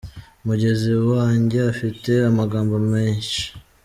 Mugenzi wanjye afite amagambo menshi.